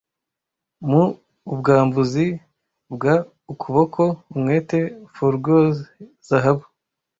Mu ubwambuzi bwa ukuboko umwete foregoes zahabu